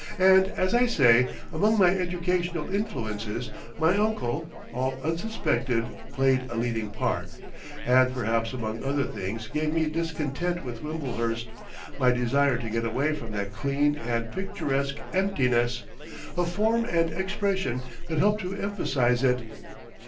And, as I say, among my educational influences my uncle, all unsuspected, played a leading part, and perhaps among other things gave my discontent with Wimblehurst, my desire to get away from that clean and picturesque emptiness, a form and expression that helped to emphasise it.